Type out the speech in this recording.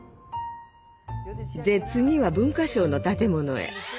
で次は文化省の建物へ。